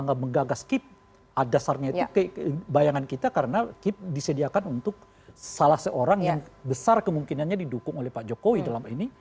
tidak menggagas kip dasarnya itu bayangan kita karena kip disediakan untuk salah seorang yang besar kemungkinannya didukung oleh pak jokowi dalam ini